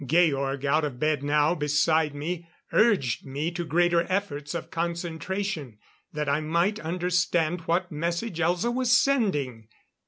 Georg, out of bed now beside me, urged me to greater efforts of concentration, that I might understand what message Elza was sending.